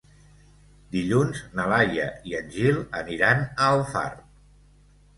Dilluns na Laia i en Gil aniran a Alfarb.